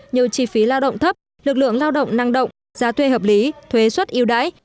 nhiều chi phí lao động thấp lực lượng lao động năng động giá thuê hợp lý thuế suất yếu đáy